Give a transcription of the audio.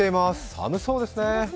寒そうですね。